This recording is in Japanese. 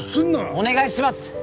お願いします！